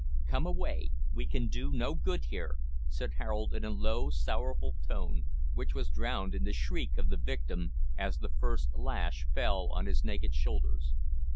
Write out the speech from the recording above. "Come away, we can do no good here," said Harold, in a low, sorrowful tone, which was drowned in the shriek of the victim, as the first lash fell on his naked shoulders.